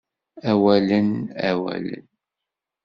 Awalen, awalen...